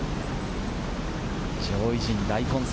上位陣、大混戦。